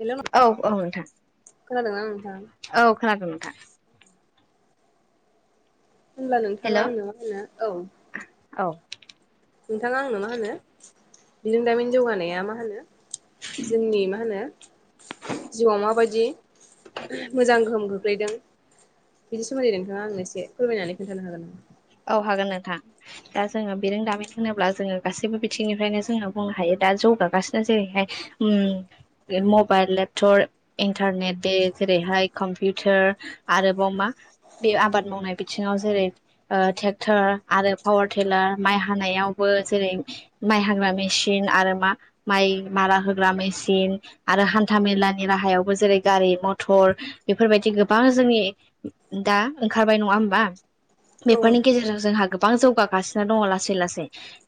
Hello औ औ नोंथां खोनादोंना नोंथां औ खालामोनादोंन नोंथां। होनोमब्ला हेल' नोंथाङा आंनो मा होनो औ। औ। बिजों दामिन जौगानाया मा होनो जोंनि मा होनो जिउआव माबायदि मोजां गोहोम खग्लैदों। बिनि सोमोन्दै नोंथाङा आंनो एसे फोरमायनानै खोन्थानो हागोन नामा? औ नोंथां दा जोङो बिरोंदामिन होनोब्ला जोङो गासैबो बिथिंनिफ्रायनो जोो बुंनो हायो दा जौ नो जेरैहाय मबाइल लेपटप इन्टारनेट जेरैहाय। कम्पिउटार आरोबाव मा बे आबाद मावनाय बिथिङाव जेरै ट्रेक्टर आरो पावार टिलार माइ हानायावबो जेरै माइ हाग्रा मेसििन आरो मा माइ मारा होग्रा मेसिन आरो हान्था मेलानि राहायावबो जेरै गारि। मथर बेफोरबायदि गोबां जोंनि दा ओंखारबाय नङा हबा। औ बेफोरनि नोंथां गेजेरजों जों हा गो। गोबां जौगागासिनो दङ लासै लासै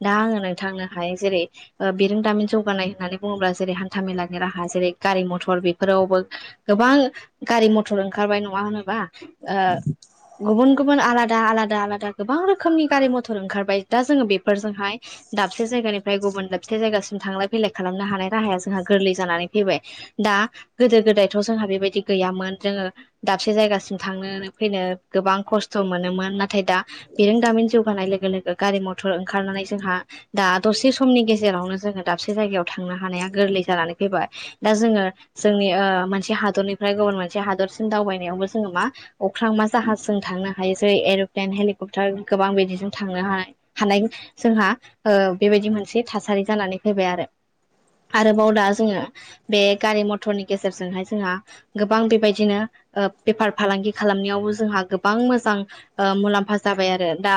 दा आङो नोंथांनो हाय जेरै बिरोंदामिन जौगानाय। होननानै बुङोब्ला जेरै हान्थाामेलानि राहा जेरै गारि मथर बेफोरावबो गोबां गारि मथर। खार न गुब गुब। दा आलादा आलादा गोबां रोखोमनि गारि मथर ओंखारबाय दा जोङो बेफोरजोंहाय दाबसे जायगानिफ्राय। गुबुन लोबसे जायगासिम थांलाय फैलाय खालामनो हानाय राहाया जोंहा गोरलै जानानै फैबाय दा गोदो गोदाय। जोंहा बेबायदि गैयामोन जोङो दाबसे जायगासिम थांनो फैनो गोबां खस्थ' मोन। नाथाय दा बिरोंदामिन जौगानाय लोगो लोगो गारि मथर ओंखारनानै जोंहा दा दसे समनि गेजेरावनो जोङो दाबसे जायगायाव थांनो हानाया गोरलै जानानै फैबाय दा जोङो जोंनि। मोनसे हादरनिफ्राय गुबुन मोनसे हादरसिम दावबायनायावबो जोङो मा अख्रां मा जाहाजजोंों थांनो हायो। ज एर'प्लेन हेलिकप्टार गोबां बिदिजों थांनो हानाय जोंहा बेबायदि मोन। मोनसे थासारि जानानै फैबाय आरो। आरोबाव दा जोङो बे गारि मथरनि गेजेरजोंहाय जोंहा गोबां बेबायदिनो। बेफार फालांगि खालामनायावबो जोंहा गोबां मोजां। मुलाम्फा जाबाय आरो दा।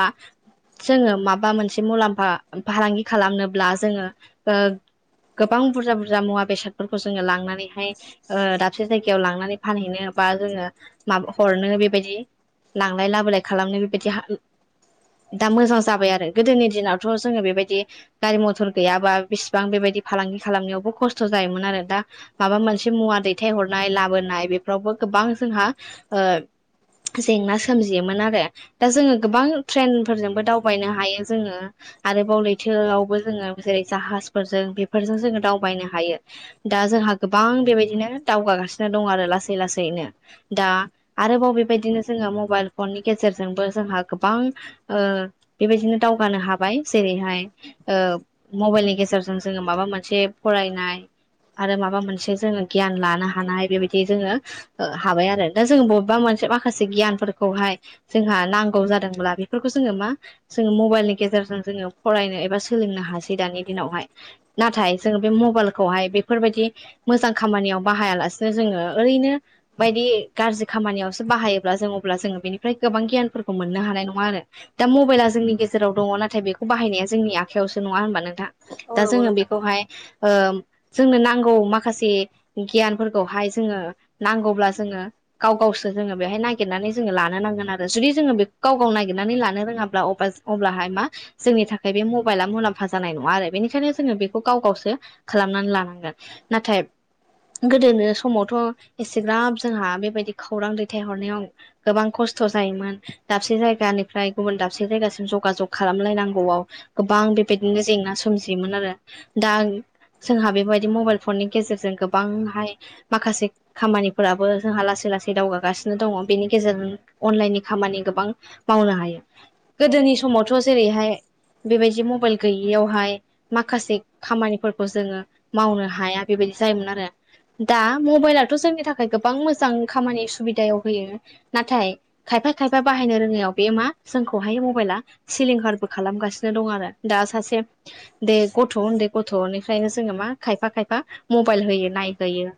जोङो माबा मोनसे मुलाम्फा फालांगि खालामनोब्ला जोङो। गोबां बुरजा बुरजा मुवा बेसादफोरखौ जोङो लांनानैहाय दाबसे जायगायाव लांनानै फानहैनो। बा जोङो मा हरनो बेबायदि लांलाय लाबोलाय खालामनो बेबायदि। दा मोजां जाबाय आरो गोदोनि दिनावथ' जोङो बेबायदि गारि मथर गैयाबा बेसिबां बेबायदि। फालांगि खालामनायावबो खस्थ' जायोमोन आरो दा माबा मोनसे मुवा दैथ हरनाय लाबोनाय बेफोरावबो। गोबां जों ज सोमजियोमोन आरो दा जोङो गोबां ट्रेन फोरजोंबो दावबायनो हायो जोङो आरो बाव। बो जोङो जेरै जाहाजफोरजों बेफोरजों जोङो दावबायनो हायो दा जोंहा गोबां। बेबायदिनो दावगाागासिनो दं आरो लासै लाैनो दा आरोबाव बेबायदिनो जोङो माव। मबाइल फननि गेजेरजोंबो जोंहा गोबां बेबायदिनो दावगानो हाबाय जेरैहाय। मबाइलनि गेजेरजों जोङो माबा मोनसे फरायनाय। आरो माबा मोनसे जोङो गियान लानो हानाय बेबायदि जोङो हाबाय आरो दा जों बबेबा मोन। माखसे गियान फोर खौहाय जोंहा नांगौ जादोंब्ला बेफोरखौ जोङो मा जोङो मबाइलनि गेजेरजों जोङो फरायनो। बा सोलोंनो है दानि दिनावहाय नाथाय जोङो बे मबाइलखौहाय बेफोरबायदि मोजां। खामानियाव बाहायालासेनो जोङो ओरैनो बायदि गाज्रि खामानियावसो बाहायोब्ला जों। बेनि गोबां गियानफोरखौ मोननो हानाय नङा आरो दा मबाइला जोंनि गेजेराव दङ नाथाय बेखौ बाहायनाय। जोंनि आखायावसो नङा होनबा नोंथां दा औ नंगौ जोङो नोंथां बेखौहाय। जोंनो नांगौ माखासे गियानफोरखौहाय जोङो नांगौब्ला जोङो गाव गावसो जोङो बेहाय नाय। नानै जोङो लानो नांगोन आरो जुदि जोङो बेखौ गाव गाव नागिरनानै लानो रोङाब्ला अब्ला मा जों। बे मबाइ मुलामफा जानाय नङा आरो बेनिखायनो जोङो बेखौ गाव गावसो खालामनानै लानांगोन नाथाय। नाथाय गोदोनो समावथ' एसेग्राब जोंहा बेबायदि खौरां दैथायहरनायाव। गोबां खस्थ' जायोमोन दाबसे जायगानिफ्राय गुबुन दाबसे जायगासिम जगाजग खालामलायनांगौआव। गोबां बेबायदिनो जेंना सोमजियोमोन आरो दा। जोंहा बेबायदि मबाइल फननि गेजेरजों गोबांहाय माखासे खामानिफोराबो जोंहा लासैनो। बे लासै दावगागासिनो दङ। बेनि गेजेरजों अनलाइननि खामानि गोबां मावनो हायो गोदोनि समावथ' जेरैहाय। बेबायदि मबाइल गैयियावहाय माखासे खामानिफोरखौ जोङो मावनो हाया बेबायदि। बि जायोमोन आरो दा मबाइलाथ' जोंनि थाखाय गोबां मोजां खामानि सुबिदायाव होयो। नाथाय खायफा खायफा बाहायनो रोङैयाव बे मा जोंखौहाय मबाइला सिलिंखारबो खालामो। थासिनो दं आरो दा सासे बे गथ' उन्दै गथ'निफ्रायनो जोङो मा खायफा खायफा। मबाइल होयो नायहोयो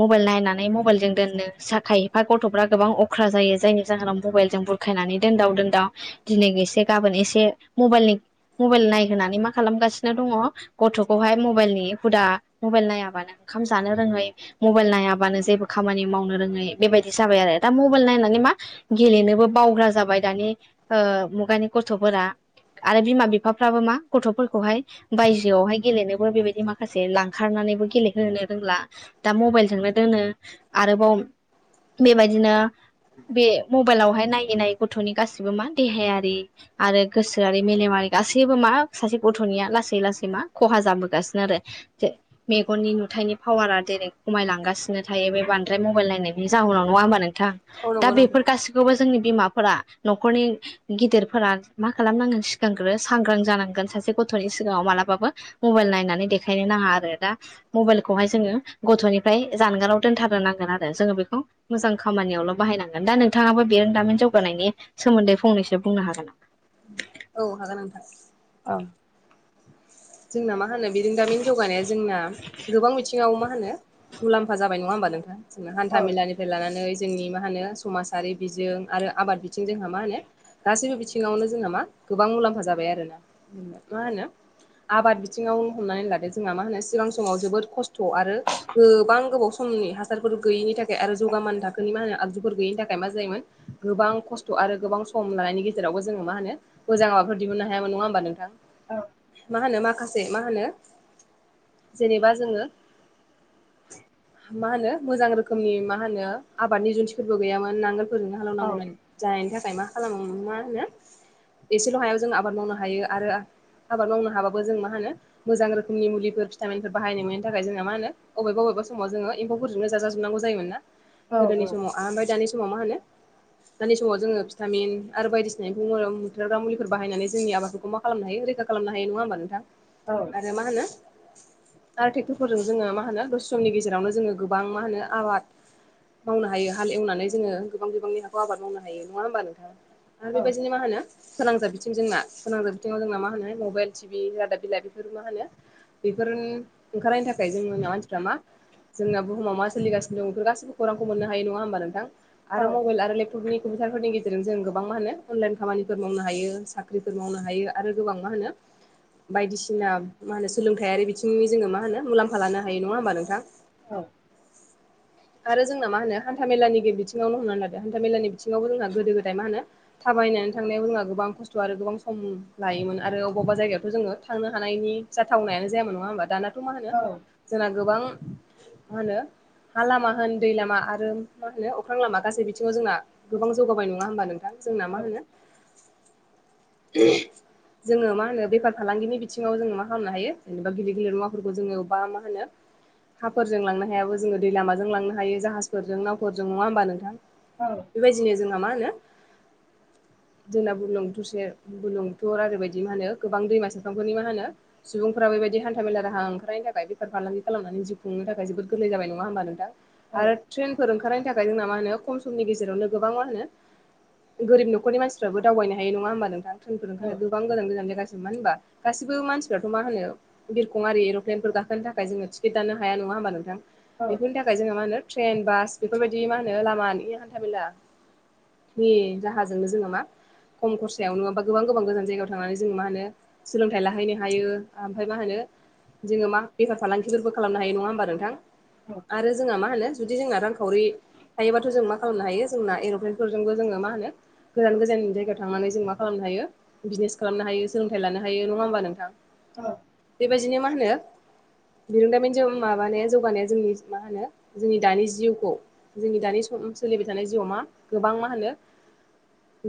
मबाइल नायनानै मबाइल जों दोननो साखाय। मफ्राय गथ'फ्रा गोबां अख्रा जायो जायनि जाहोनाव मबाइलजों बुरखायनानै दोनदाव दोनदाव दिनै एसे गाबोन। एसे मबाइल नायहोनानै मा खालामगासिनो दंङ गथखौहाय मबाइलनि दा मबाइल नायाबानो ओंखाम जानो रोङै मबाइल नायाबानो जेबो खामानि मावनो रोङै। बेबायदि जाबाय आरो दा मबाइल नायनानै मा गेलेनोबो बावग्रा जाबाय दानि मुगानि। गथ'फोरा। आरो बिमा बिफाफ्राबो मा गथ'फोरखौहाय बायजोआवहाय गेलेनोबो बेबायदि माखासे लांखारनानै। नानैबो गेलेहोनो रोंला दा मबाइलजोंनो दोनो आरोबाव। बेबायदिनो। बे मबाइलावहाय नायै नायै गथ'नि गासिबो मा देहायारि आरो गोसोआरि मेलेमारि। गासैबो मा सासे गथ'निया लासै लासै मा खहा जाबोगासिनो आरो मेगननि नु नुथायनि पावारा दिनै खमायलांगासिनो थायो बे बांद्राय मबाइल नायनाय। जाहोननाव नङा होमबा नोंथां औ दा नंगौ बेफोर नोंथां गासिखौबो। जोंनि बिमाफोरा न'खरनि गिदिरफोरा मा खालामनांगोन सिगांग्रो सांग्रां जानांगोन सा से गथ'नि सिगाङाव मालाबाबो मबाइल नायनानै देखायनो नाङा आरो दा मबाइलखौहाय जोङो ग गथ'निफ्राय जानगाराव दोनथारनो नांगोन आरो जोङो बेखौ। मोजां खामानियावल' बाहायनांगोन दा नोंथाङाबो बेरोंदामिन जौगानायनि सोमोन्दै फंनैसो बुंनो हागोन नामा। औ हागोन नोंथां। औ। जोंना मा। मा होनो बिदि दामिनि जौगानाया जोंना गोबां बिथिङाव मा होनो मुलाम्फा जाबाय नङा होमबा नोंथां। जों हान्था मेलानिफ्राय लानानै। जोंनि मा होनो समाजारि बिजों आरो आबाद बिथिं जोंहा मा होनो गासैबो बिथिङावनो जोंहा मा। गोबां मुलाम्फा जाबाय आरोना मा होनो। आबाद बिथिङाव हमनानै लादो जोंहा मा होनो सिगां समाव जोबोद खस्थ' आरो गोबां गोबाव समनि। हासारफोर गैयैनि थाखाय आरो जौगामान थाखोनि मा होनो आगजुफोर गैयिनि थाखाय मा जायोमोन गोबां खस्थ' आरो। गोबां सम लानायनि गेजेरावबो जोङो मा होनो मोजां माबाफोर दिहुननो हायामोन नङा होमबा नोंथां। औ। मा होनो माखासे मा होनो जेनेबा जोङो। मा होनो मोजां रोखोमनि मा होनो आबादनि जुन्थिफोरबो गैयामोन नांगोल। ओैनो हालौनांगौ दं जानायनि थाखाय। मा खालाम मा होनो एसेल' हायाव जों आबाद मावनो हायो आरो आबाद मावनो हायो। माबो जों मा होनो मोजां रोखोमनि मुलिफोर भिटामिनफोर बाहायनो मोननि थाखाय जों माहोनो बबेबा बबेबा समाव जोङो। एम्फौफोरजोंनो जाजोबनांगौ जायोना गोदोनि समाव ओमफ्राय दानि समाव मा होनो। दानि समाव जोङो भिटामिन आरो बायदिसिना एम्फौ बुथारग्रा मुलिफोर बाहायनानै जोंनि आबादफोरखौ मा खालामनो हायो। रैखा खालामनो हायो नङा होमबा नोंथां आरो मा होनो। आरो ट्रेक्टरफोरजों जोङो मा होनो दसे समनि गेजेरावनो जोङो गोबां मा होनो आबाद। मावनो हायो हाल एवनानै जोङो गोबां गोबांनि हाखौ आबाद मावनो हायो नङा होमबा नोंथां? आरो बेबायदिनो मा होनो फोनांजाब बिथिं जोंना सोनांजाब बिथिङाव जोंना मा होनो मबाइल टिबि रादाब बिलाइ बेफोर मा होनो बेफोर ओंखारलनायनि थाखाय जोंनि मानसिफ्रा मा जोंना बुहुमाव मा सोलिसिनो दं बेफोर गासिबो खौरांखौनो हायो नङा होमबा नोंथां आरो मबाइल आरो लेपटपनि कमपिटारफोर गे जेरों जों गोबां मा होनो अनलाइन खामानिफोर मावनो हायो साख्रिफोर मावनो हायो आरो गोबां मा होनो बायदिसिना मा होनो सोलोंथायारि बिथिंनि जोङो मा होनो मुलाम्फा लानो हायो नङा होमबा नोंथां? आरो जोंना मा होनो हाम हान्था मेलानि बिथिङावनो होननानै लादो हान्था मेलानि बिथिङावबो जोंहा गोदो गोदाय मा होनो थाबायनानै थांनायाव जोंहा गोबां खस्थ' आरो गोबां सम लायोमोन आरो बबा जायगायावथ' जोङो थांनो हानायनि जाथावनायानो जायामोन नङा होमबा दानाथ' मा होनो जोंना गोबां मा‌ होनो हा लामा होन दै लामा आरो मा होनो अख्रां लामा गासै बिथिङाव जोंना गोबां जौगाबाय नङा होमबा नोंथां जोंना मा होनो [unintelligible] जोङो मा मा होनो बेफार फालांगिनि बिथिङाव जोङो मा खामनो हायो जेनेबा गिदिर गिदिर मुवाफोरखौ जोङो बा मा होनो हाफोरजों लांनो हायाबो जोङो दै लामाजों लांनो हायो जाहाजफोरजों नावफोरजों नङा होमबा नोंथां। बेबायदिनो जोंना मा होनो जोंना बुरलुंबुथुर सेर बुरलुंबुथुर आरो बायदि मा होनो गोबां दैमा सेरफांफोरनि मा होनो सुबुंफोरा बेबायदि हान्था मेला राहा ओंखारनायनि थाखाय बेफार फालांगि खालामनानै जिउ खु थाखाय जोबोर गोरलै जाबाय नङा होनबा नोंथां आरो ट्रेनफोर ओंखारनाय थाखाय जोंना मा होनो खम समनि गेजेरावनो गोबां मा होनो गोरिब न'खरनि मानसिफ्राबो दावबायनो हायो नङा होमबा नोंथां? थ्रेनफोर ओंखार [unintelligible] गोबां गोजान गोजान जायगा मानो होनबा गासिबो मानसिफ्राथ' मा होनो बिरखं आरि एर'प्लेनफोर गाखोनो थाखाय जोङो टिकेट दानो हाया नङा होनबा नोंथां। बेफोरनि थाखाय जोंहा मा होनो ट्रेन, बास बेफोरबायदि मा होनो लामानि हान्था मेला नि राहाजोंनो जोङो मा खम खरसायावनो गोबां गोबां गोजान जायगायाव थांनानै जों मा होनो सोलोंथाइ लाहैनो हायो। ओमफाय मा होनो जोङो मा बेफार फालांगिफोरबो खालामनो हायो नङा होमबा नोंथां आरो जोंहा मा होनो जुदि जोंना रांखावरि थायोबाथ' जों मा खालामनो हायो जोंना एर'प्लेनफोरजोंबो जोङो मा होनो गोजान गोजान जायगायाव थांनानै जों मा खालामनो हायो? बिजनेस खालामनो हायो सोलोंथाइ लानो हायो। नङा होमबा नोंथां? ओ। बेबायदिनो मा होनो बिरोंदामिनजों माबानाया जौगानाया जोंनि मा होनो जोंनि दानि जिउखौ जोंनि दानि खम सोलिबाय थानाय जिउआव मा गोबां मा होनो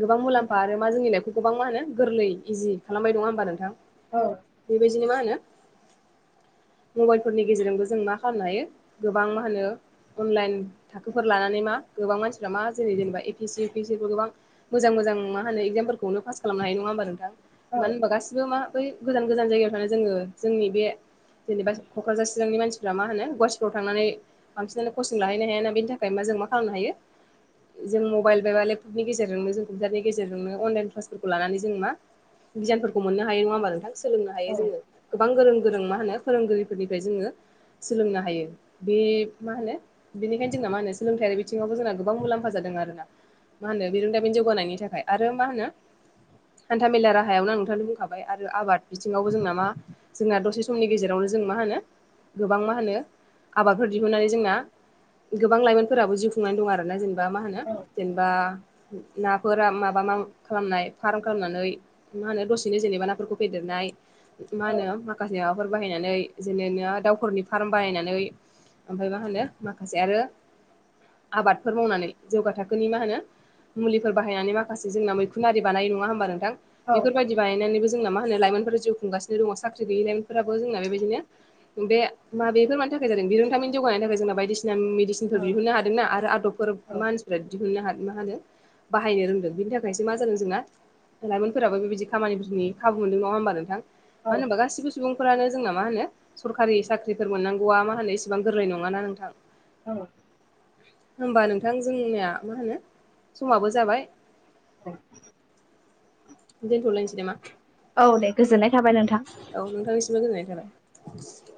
गोबां मुलाम्फा आरो मा जोंनि लाइफखौ गोबां मा होनो गोरलै इजि खालामबाय नङा होमबा नोंथां। बेबायदिनो मा होनो मबाइलफोरनि गेजेरजोंबो जों मा खालामनो हायो गोबां मा होनो अनलाइन थाखोफोर लानानै मा गोबां मानसिफ्रा मा जेरै जेनेबा A P S C, U P S C फोर गोबां मोजां मो जां मा होनो इगजामफोरखौनो पास खालामनो हायो नङा होमबा नोंथां। मानो होनबा गासिबो मा बै गोजान गोजान जायगायाव थानानै जोङो जोंनि बे जेनेबा क'क्राझार, चिरांनि मानसिफ्रा मा होनो गवाथिफ्राव थांनानै बांसिनानो कचिं लाहैनो हाया ना बेनि थाखाय मा जों मा खालामनो हायो जों मबाइल [unintelligible] लेपटपनि गेजेरजोंनो जों कम्पिउटारनि गेजेरजोंनो अनलाइन क्लासफोरखौ लानानै जों मा गियानफोरखौ मोननो हायो नङा होमबा नोंथां। सोलोंनो हायो जोङो गोबां गोरों गोरों मा होनो फोरोंगिरिफोरनिफ्राय जोङो सोलोंनो हायो। बे मा होनो बेनिखायनो जोंना मा होनो सोलोंथायारि बिथिङावबो जोंना गोबां मुलाम्फा जादों। आरो ना। मा होनो बिरोंदामिन जौगानायनि थाखाय आरो मा होनो हान्था मेला रा हायावनो नोंथाङानो बुंखाबाय आरो आबाद बिथिङावबो जोंना मा जोंना दसे समनि गेजेरावनो जों मा होनो गोबां मा होनो आबादफोर दिहुननानै जोंना गोबां लाइमोनफोराबो जिउ खुंनाय दं आरो ना जेन बा मा होनो जेनबा नाफोरा माबा मा खालामनाय फाराम खालामनानै मा होनो दसेनो जेनेबा नाफोरखौ फेदेरनाय मा होनो माखासेयाव फोर बाहायनानै जेने [unintelligible] दाउफोरनि फाराम बानायनानै ओमफाय मा होनो माखासे आरो आबादफोर मावनानै जौगा थाखोनि मा होनो मुलिफोर बाहायनानै माखासे जोंना मैखुन आरि बानायो नङा होमबा नोंथां। बेफोरबायदि बानायनानैबो जोंना मा मा होनो लाइमोनफोरा जिउ खुंगासिनो दङ'। साख्रि गैयै लाइमोनफोराबो जोंना बेबायदिनो बे मा बेफोर मानि थाखाय जादों? बिरोंदामिन जौगानायनि थाखाय जोंना बायदिसिना मेडिसिनफोर दिहुननो हादों ना आरो [unintelligible] [unintelligible] फोर मानसिफोरा दिहुननो हाद मा [unintelligible] बाहायनो रोंदों बिनि थाखायसो मा जादों जोंना लाइमोन फोराबो बेबायदि खामानिफोरनि खाबु मोनदों नङा होमबा नोंथां मानो होनबा गासिबो सुबुंफोरानो जोंना मा होनो सरखारि साख्रिफोर मोननांगौआ मा होनो इसेबां गोरलै नङा ना नोंथां। औ होमबा नोंथां जोंनिया मा होनो समाबो जाबाय। औ दोनथ'लायनोसै नामा? औ दे गोजोननाय थाबाय नोंथां। औ नोंथांनिसिमबो गोजोननाय थाबाय।